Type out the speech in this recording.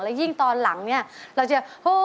และยิ่งตอนหลังนี่เราจะ